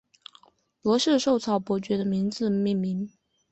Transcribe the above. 罗氏绶草伯爵的名字命名。